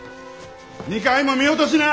２階も見落としな！